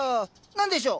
何でしょう？